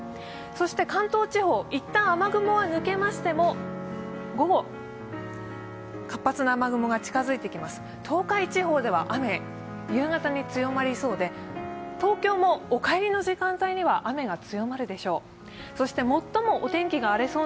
関東地方、一旦雨雲は抜けましても午後、活発な雨雲が近づいてきます東海地方では雨、夕方に強まりそうで、東京もお帰りの時間帯には雨が強まるでしょう。